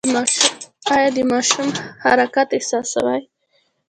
ایا د ماشوم حرکت احساسوئ؟